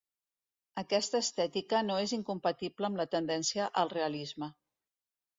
Aquesta estètica no és incompatible amb la tendència al realisme.